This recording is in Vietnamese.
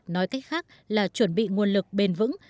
nói cách khác là chuẩn bị nguồn lực bền vững